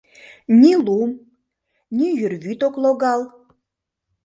Ни лум, ни йӱр вӱд ок логал.